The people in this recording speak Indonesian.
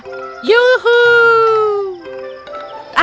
dan ayunan yang keren juga